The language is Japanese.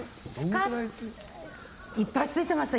いっぱいついてました。